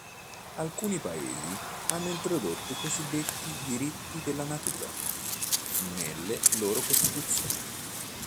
Alcuni Paesi hanno introdotto i cosiddetti "Diritti della Natura" nelle loro Costituzioni.